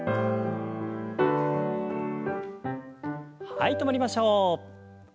はい止まりましょう。